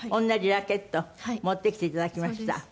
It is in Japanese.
同じラケットを持ってきて頂きました。